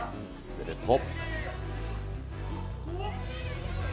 すると。